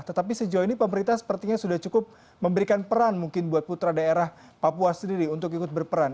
tetapi sejauh ini pemerintah sepertinya sudah cukup memberikan peran mungkin buat putra daerah papua sendiri untuk ikut berperan